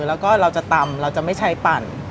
แล้วก็เราจะตำเราจะไม่ใช้ปั่น